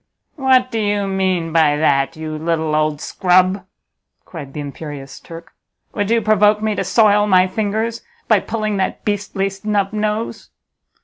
"What do you mean by that, you little old scrub!" cried the imperious Turk; "would you provoke me to soil my fingers by pulling that beastly snub nose?"